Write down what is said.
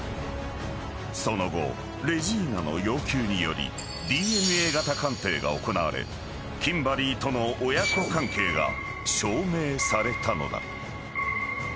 ［その後レジーナの要求によりＤＮＡ型鑑定が行われキンバリーとの親子関係が証明されたのだ］